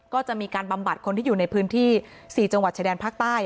ก็จะมีการบำบัดคนที่อยู่ในพื้นที่๔จังหวัดชายแดนภาคใต้